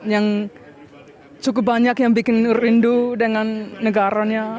yang cukup banyak yang bikin nur rindu dengan negaranya